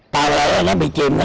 tàu lũy nó bị chìm